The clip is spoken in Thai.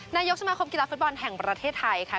นายกสมาคมกีฬาฟุตบอลแห่งประเทศไทยค่ะ